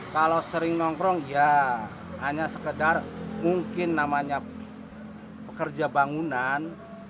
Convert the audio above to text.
kalau sering nongkrong ya hanya sekedar mungkin namanya pekerja bangunan